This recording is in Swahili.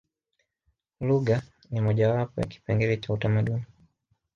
lugha ni moja wapo ya kipengele cha utamaduni